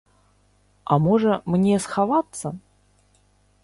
А можа, мне схавацца?